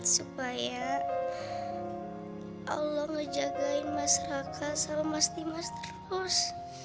supaya allah ngejagain mas raka sama mas timas terus